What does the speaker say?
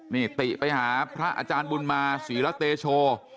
นี่ติไปหาพระอาจารย์บุญมาศรีละเตโช